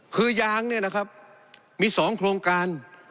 คือยางเนี่ยนะครับมี๒โครงการ